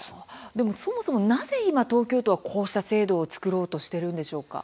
でも、そもそもなぜ今東京都はこうした制度を作ろうとしているんでしょうか？